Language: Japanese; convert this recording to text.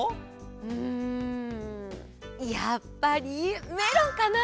うんやっぱりメロンかな！